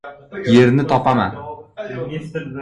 Yerni topaman.